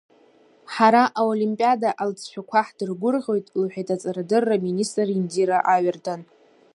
Ҳара аолимпиада алыҵшәақәа ҳдыргәырӷьоит, — лҳәеит аҵарадырра аминистр Индира Аҩардан.